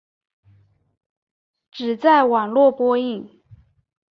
只在网络播映。